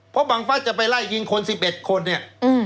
เพราะบังฟัสจะไปไล่ยิงคนสิบเอ็ดคนเนี้ยอืม